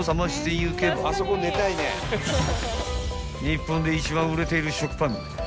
［日本で一番売れている食パンＰａｓｃｏ